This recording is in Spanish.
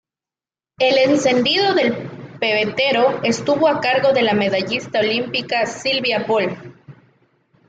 El encendido del pebetero estuvo a cargo de la medallista olímpica Sylvia Poll.